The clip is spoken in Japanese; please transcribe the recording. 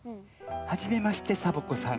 「はじめましてサボ子さん。